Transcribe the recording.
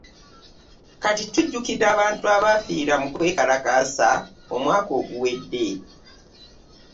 Kati tujukira abantu abaafiira mu kwekalakaasa omwaka oguwedde.